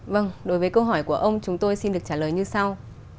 vâng đối với câu hỏi của ông chúng tôi xin được trả lời như sau